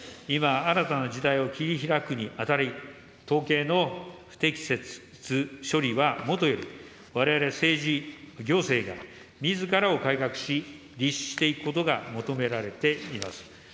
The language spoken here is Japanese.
今新たな時代を切りひらくにあたり、統計の不適切処理はもとより、われわれ、政治・行政がみずからを改革し、律していくことが求められています。